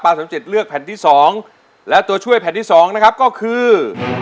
สมจิตเลือกแผ่นที่๒และตัวช่วยแผ่นที่สองนะครับก็คือ